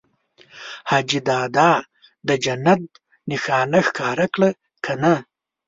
حاجي دادا د جنت نښانه ښکاره کړه که نه؟